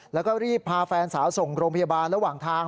แล้วก็รีบพาแฟนสาวส่งโรงพยาบาลระหว่างทาง